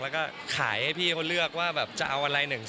แล้วก็ขายให้พี่เขาเลือกว่าแบบจะเอาอะไรหนึ่ง